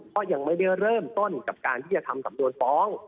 ก็ยังไม่ได้เริ่มต้นกับการที่จะทำสำนวนฟ้อง